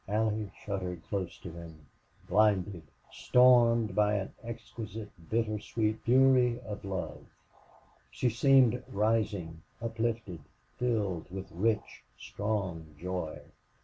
Allie shuddered close to him, blinded, stormed by an exquisite bitter sweet fury of love. She seemed rising, uplifted, filled with rich, strong joy.